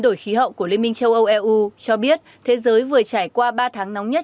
đổi khí hậu của liên minh châu âu eu cho biết thế giới vừa trải qua ba tháng nóng nhất